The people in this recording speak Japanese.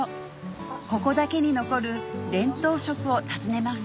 ここだけに残る伝統食を訪ねます